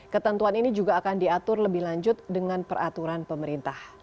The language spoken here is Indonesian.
ketentuan ini juga akan diatur lebih lanjut dengan peraturan pemerintah